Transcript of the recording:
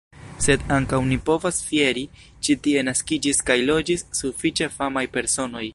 Sed ankaŭ ni povas fieri – ĉi tie naskiĝis kaj loĝis sufiĉe famaj personoj.